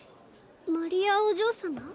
マリアお嬢様？